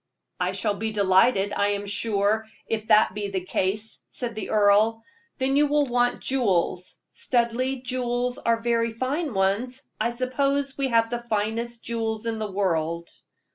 "I shall be delighted, I am sure, if that be the case," said the earl. "Then you will want jewels. Studleigh jewels are very fine ones I suppose we have the finest jewels in the world."